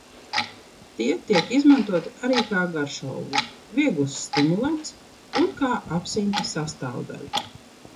Tie tiek izmantoti arī kā garšaugi, viegls stimulants un kā absinta sastāvdaļa.